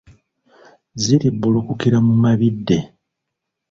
Ziribbulukukira mu mabidde.